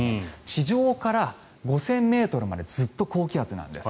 地上から５０００ｍまでずっと高気圧なんです。